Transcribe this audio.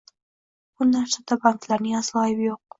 Bu narsada banklarning aslo aybi yo‘q.